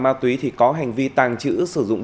ma túy thì có hành vi tàng trữ sử dụng